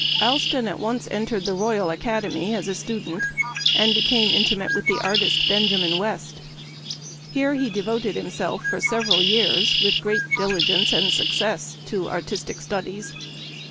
Allston at once entered the Royal Academy as a student, and became intimate with the artist, Benjamin West. Here he de voted himself for several years, and with great diligence and success, to artistic studies.